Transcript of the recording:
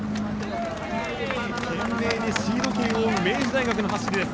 懸命にシード権を追う明治大学の走りです。